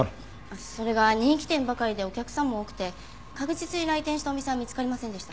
それが人気店ばかりでお客さんも多くて確実に来店したお店は見つかりませんでした。